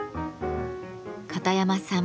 片山さん